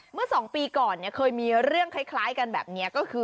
เมื่อ๒ปีก่อนเคยมีเรื่องไข้ลายกันแบบนี้